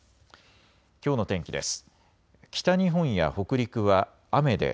きょうの天気です。